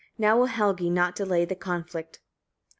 Now will Helgi not delay the conflict."